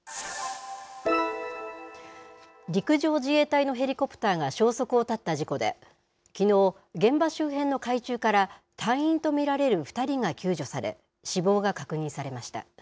陸上自衛隊のヘリコプターが消息を絶った事故で、きのう、現場周辺の海中から、隊員と見られる２人が救助され、死亡が確認されました。